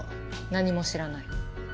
何も知らない。